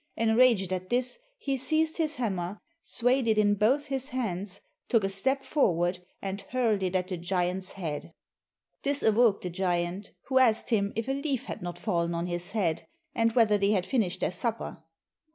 Enraged at this he seized his hammer, swayed it in both his hands, took a step forward, and hurled it at the giant's head. This awoke the giant, who asked him if a leaf had not fallen on his head, and whether they had finished their supper.